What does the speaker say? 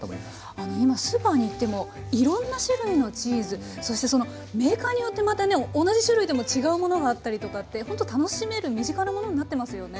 あの今スーパーに行ってもいろんな種類のチーズそしてそのメーカーによってまたね同じ種類でも違うものがあったりとかってほんと楽しめる身近なものになってますよね。